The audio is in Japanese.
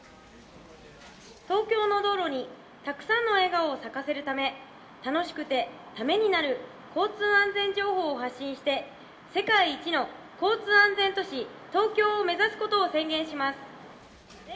東京の道路にたくさんの笑顔を咲かせるため、楽しくてためになる交通安全情報を発信して、世界一の交通安全都市、ＴＯＫＹＯを目指すことを宣言します。